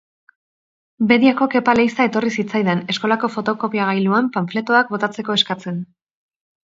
Bediako Kepa Leiza etorri zitzaidan, eskolako fotokopiagailuan panfletoak botatzeko eskatzen.